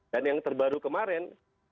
dan yang terbaru kemarin dua ribu dua puluh